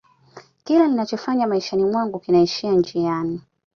kila ninachofanya maishani mwangu kinaishia njiani